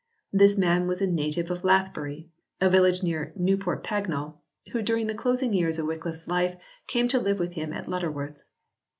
This man was a native of Lathbury, a village near Newport Pagnell, who during the closing years of Wycliffe s life came to live with him at Lutterworth.